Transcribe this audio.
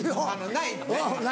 ないのね。